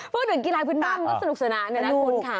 เพราะว่ากีฬาพื้นบ้างมันก็สนุกสนานเนี่ยนะคุณค่ะ